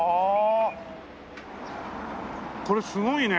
これすごいね。